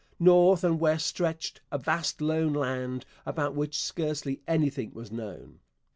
North and west stretched a vast lone land about which scarcely anything was known.